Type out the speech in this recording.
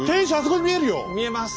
見えます。